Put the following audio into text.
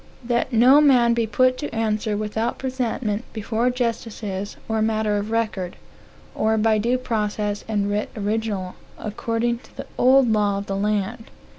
"That no man be put to answer without presentment before justices, or matter of record, or by due process and writ original, according to the old law of the land.